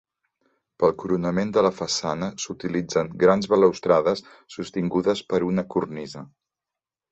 Pel coronament de la façana s'utilitzen grans balustrades sostingudes per una cornisa.